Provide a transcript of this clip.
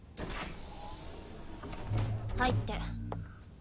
入って。